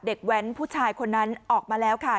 แว้นผู้ชายคนนั้นออกมาแล้วค่ะ